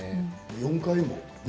４回も？